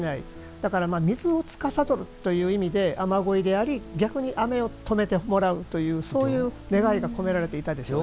だから、水を司るという意味で雨乞いであり逆に雨を止めてもらうというそういう願いが込められていたでしょうね。